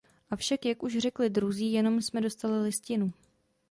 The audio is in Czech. Avšak jak už řekli druzí, jenom jsme dostali listinu.